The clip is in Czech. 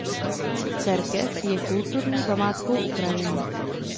Cerkev je kulturní památkou Ukrajiny.